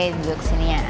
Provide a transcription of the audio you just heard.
jangan kesini ya